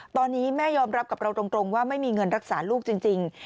ตอนนี้แม่ยอมรับกับเราตรงว่าไม่มีเงินรักษาลูกจริง